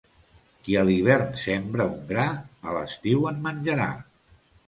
Qui a l'hivern sembra un gra, a l'estiu en menjarà.